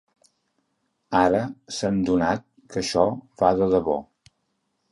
Ara s’han donat que això va de debò.